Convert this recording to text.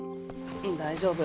大丈夫。